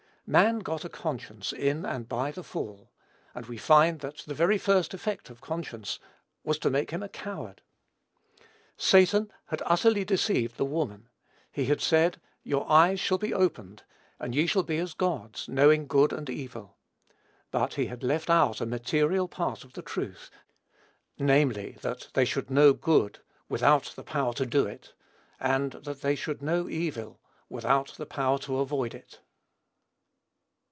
Man got a conscience in and by the fall; and we find that the very first effect of conscience was to make him a coward. Satan had utterly deceived the woman. He had said, "your eyes shall be opened, and ye shall be as gods, knowing good and evil." But he had left out a material part of the truth, namely, that they should know good, without the power to do it; and that they should know evil, without the power to avoid it.